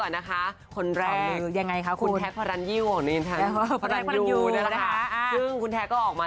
เอาการรงรามดีกว่าถูกไหมถ้าไปเอากับรถอ่ะไม่เอาหรอกพี่